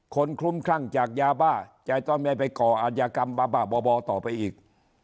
คนคลุมครั่งจากยาบ้าจะต้องไปก่ออาญากรรมบาบ่าบ่าบ่าต่อไปอีก